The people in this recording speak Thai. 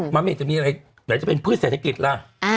มะเมฆจะมีอะไรไหนจะเป็นพืชเศรษฐกิจล่ะ